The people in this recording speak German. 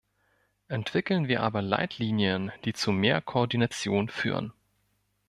Entwickeln wir aber Leitlinien, die zu mehr Koordination führen.